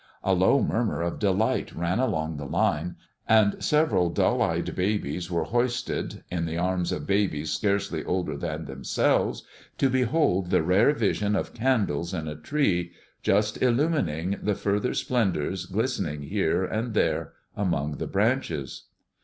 A low murmur of delight ran along the line, and several dull eyed babies were hoisted, in the arms of babies scarcely older than themselves, to behold the rare vision of candles in a tree, just illumining the further splendors glistening here and there among the branches.